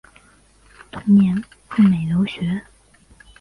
同年赴美留学。